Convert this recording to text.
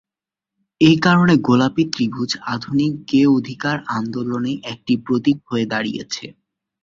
একারণে গোলাপী ত্রিভুজ আধুনিক গে অধিকার আন্দোলনের একটি প্রতীক হয়ে দাঁড়িয়েছে।